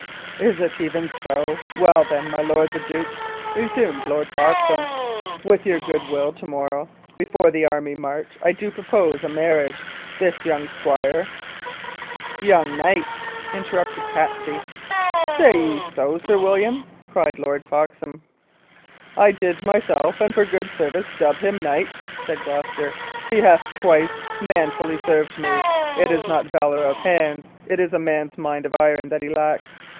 "Is it even so? Well, then, my lord the duke," resumed Lord Foxham, "with your good will, to morrow, before the army march, I do propose a marriage. This young squire " "Young knight," interrupted Catesby. "Say ye so, Sir William?" cried Lord Foxham. "I did myself, and for good service, dub him knight," said Gloucester. "He hath twice manfully served me. It is not valour of hands, it is a man's mind of iron, that he lacks.